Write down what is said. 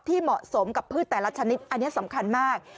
เหมาะสมกับพืชแต่ละชนิดอันนี้สำคัญมาก